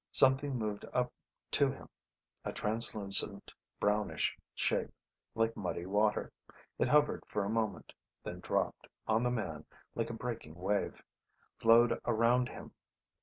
Something moved up to him, a translucent brownish shape, like muddy water. It hovered for a moment, then dropped on the man like a breaking wave, flowed around him.